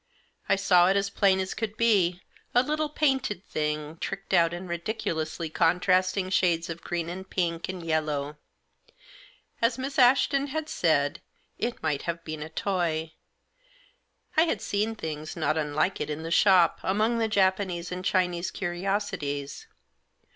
I saw it as plain as could be. A little painted thing, tricked out in ridiculously contrasting shades of green, and pink, and yellow. As Miss Ashton had said, it might have been a toy. I had seen things not unlike it in the shop, among the Japanese and Chinese curiosities.